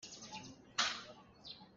Nikum ah tanghra a awng.